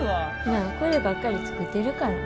まあこればっかり作ってるから。